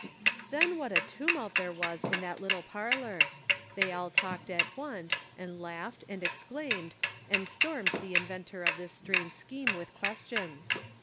Then what a tumult there was in that Httle parlor ! They all talked at once, and laughed, and exclaimed, and stormed the inventor of this strange scheme with questions.